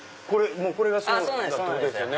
これがそうだってことですよね。